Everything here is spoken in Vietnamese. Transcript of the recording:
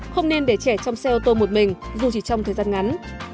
không nên để trẻ trong xe ô tô một mình dù chỉ trong thời gian ngắn